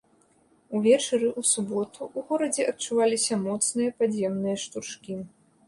Увечары ў суботу ў горадзе адчуваліся моцныя падземныя штуршкі.